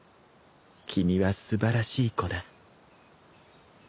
君は素晴らしい子だ。